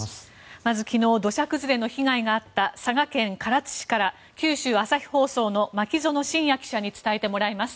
まず昨日、土砂崩れの被害があった佐賀県唐津市から九州朝日放送の牧園信也記者に伝えてもらいます。